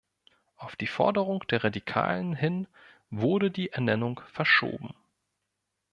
Auf die Forderung der Radikalen hin wurde die Ernennung verschoben.